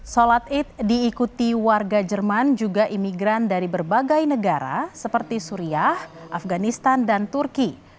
sholat id diikuti warga jerman juga imigran dari berbagai negara seperti suriah afganistan dan turki